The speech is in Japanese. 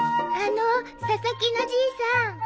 あの佐々木のじいさん。